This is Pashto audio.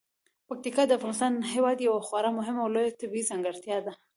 پکتیکا د افغانستان هیواد یوه خورا مهمه او لویه طبیعي ځانګړتیا ده.